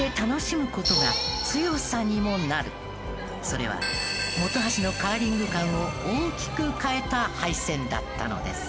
それは本橋のカーリング観を大きく変えた敗戦だったのです。